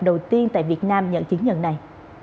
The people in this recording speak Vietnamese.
đầu tiên tại việt nam nhận chứng nhận này